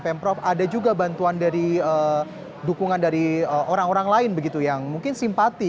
pemprov ada juga bantuan dari dukungan dari orang orang lain begitu yang mungkin simpati